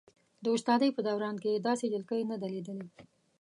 د استادۍ په دوران کې یې داسې جلکۍ نه ده لیدلې.